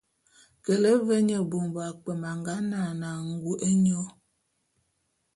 Kele ve nye mbômbo akpwem a nga nane angô’é nyô.